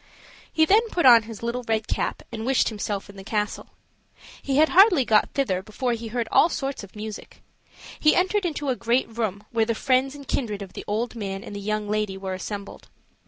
He then put on his little red cap and wished himself in the castle. He had hardly got thither before he heard all sorts of music; he entered into a great room, where the friends and kindred of the old man and the young lady were assembled.